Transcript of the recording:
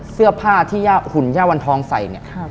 เสื้อผ้าที่ย่าหุ่นย่าวันทองใส่เนี่ย